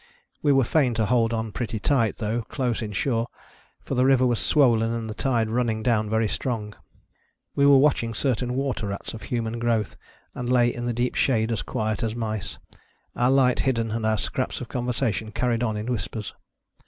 We were fain to hold on pretty tight, though close in shore, for the river was swollen and the tide running down very strong. We were watching certain water rats of human growth, and lay in the deep shade as quiet as mice ; our light hidden and our scraps of conversation carried on in whispers.